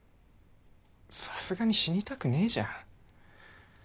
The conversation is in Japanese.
さすがに死にたくねえじゃん。